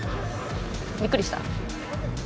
びっくりした？